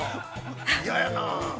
嫌やな。